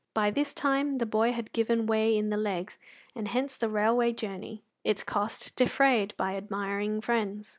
By this time the boy had given way in the legs, and hence the railway journey, its cost defrayed by admiring friends.